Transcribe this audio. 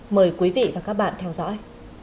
mời quý vị và các bạn theo dõi